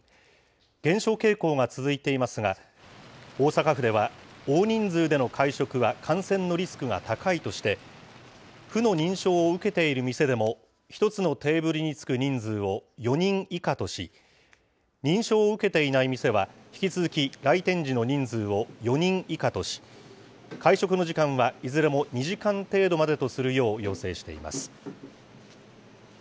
減少傾向が続いていますが、大阪府では、大人数での会食は感染のリスクが高いとして、府の認証を受けている店でも、１つのテーブルに着く人数を４人以下とし、認証を受けていない店は、引き続き来店時の人数を４人以下とし、会食の時間は、いずれも２時間程度までとするよう要請しています。